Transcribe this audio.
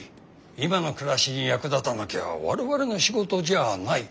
今の暮らしに役立たなきゃ我々の仕事じゃない。